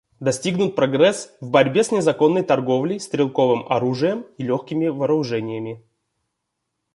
Достигнут прогресс в борьбе с незаконной торговлей стрелковым оружием и легкими вооружениями.